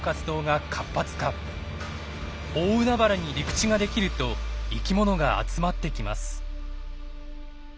大海原に陸地ができると生きものが集まってきます。